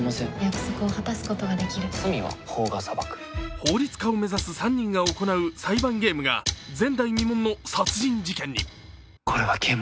法律家を目指す３人が行う裁判ゲームが前代未聞の殺人事件に。